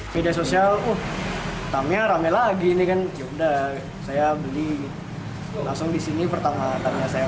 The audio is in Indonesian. media sosial uh tamnya rame lagi ini kan yaudah saya beli langsung disini pertama tanya saya